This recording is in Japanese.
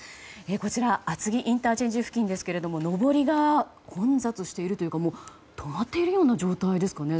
こちら、厚木ＩＣ付近ですが上りが混雑しているというか止まっているような状態ですかね。